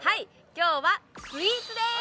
今日はスイーツです